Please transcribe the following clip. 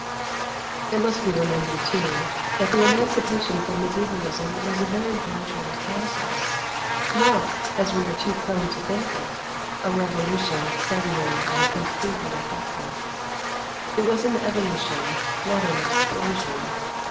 It must be remembered, too, that the emancipation from medievalism was a very gradual process, not, as we are too prone to think it, a revolution suddenly and completely effected. It was an evolution, not an explosion.